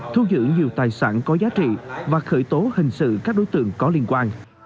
thu giữ nhiều tài sản có giá trị và khởi tố hình sự các đối tượng có liên quan